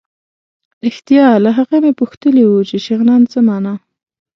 رښتیا له هغه مې پوښتلي وو چې شغنان څه مانا.